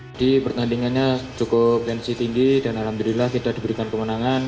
jadi pertandingannya cukup gansi tinggi dan alhamdulillah kita diberikan kemenangan